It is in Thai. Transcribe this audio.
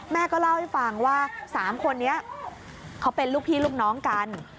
แม่ก็เล่าให้ฟังว่า๓คนนี้เขาเป็นลูกพี่ลูกน้องกัน